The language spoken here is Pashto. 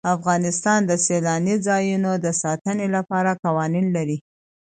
افغانستان د سیلانی ځایونه د ساتنې لپاره قوانین لري.